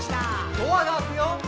「ドアが開くよ」